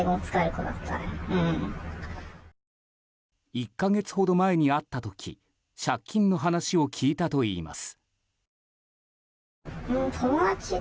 １か月ほど前に会った時借金の話を聞いたといいます。